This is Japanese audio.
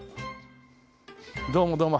どうもどうも。